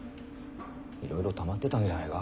いろいろたまってたんじゃないか？